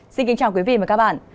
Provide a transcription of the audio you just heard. xin kính chào quý vị và các bạn